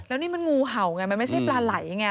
แล้วนี่มันงูเห่าไงมันไม่ใช่ปลาไหลไง